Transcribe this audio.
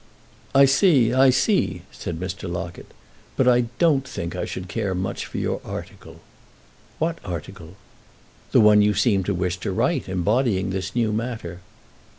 "I see, I see," said Mr. Locket. "But I don't think I should care much for your article." "What article?" "The one you seem to wish to write, embodying this new matter."